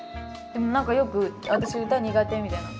でもなんかよく「私歌苦手」みたいな。